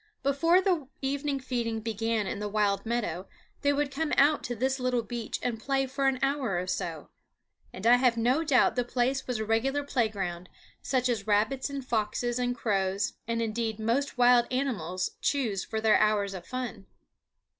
Before the evening feeding began in the wild meadow they would come out to this little beach and play for an hour or so; and I have no doubt the place was a regular playground, such as rabbits and foxes and crows, and indeed most wild animals, choose for their hours of fun.